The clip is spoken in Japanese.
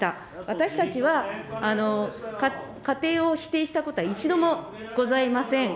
私たちは、家庭を否定したことは一度もございません。